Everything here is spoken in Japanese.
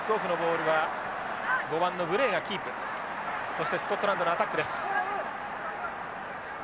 そしてスコットランドのアタックです。